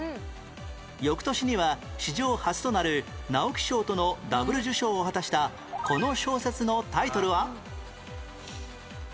翌年には史上初となる直木賞とのダブル受賞を果たしたこの小説のタイトルは？